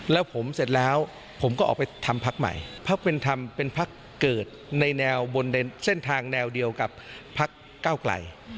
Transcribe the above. แล้วผมเสร็จแล้วผมก็ออกไปทำภักดิ์ใหม่ภักดิ์เป็นภักดิ์เกิดในแนวบนเส้นทางแนวเดียวกับภักดิ์ก้าวไกล